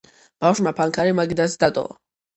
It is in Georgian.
ბავშვმა ფანქარი მაგიდაზე დატოვა.